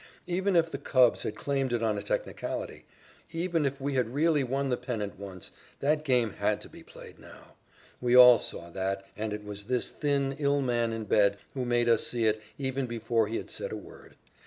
Even if the Cubs had claimed it on a technicality, even if we had really won the pennant once, that game had to be played now. We all saw that, and it was this thin, ill man in bed who made us see it even before he had said a word.